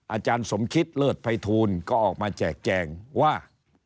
อาจารย์สมคิตเลิศภัยทูลก็ออกมาแจกแจงว่า